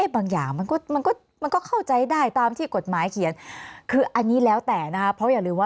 บางอย่างมันก็เข้าใจได้ตามที่กฎหมายเขียนคืออันนี้แล้วแต่นะคะเพราะอย่าลืมว่า